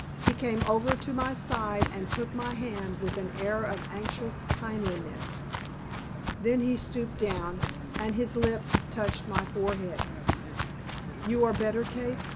He came over to my side and took my hand with an air of anxious kindliness. Then he stooped down, and his lips touched my forehead. "You are better, Kate?"